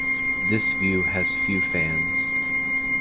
This view has few fans.